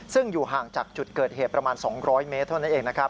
ซึ่งอยู่ห่างจากจุดเกิดเหตุประมาณ๒๐๐เมตรเท่านั้นเองนะครับ